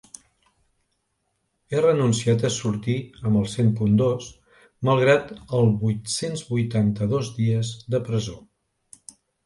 He renunciat a sortir amb el cent punt dos malgrat el vuit-cents vuitanta-dos dies de presó.